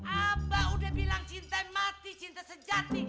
apa udah bilang cinta mati cinta sejati